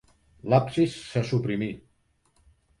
L'absis se suprimí.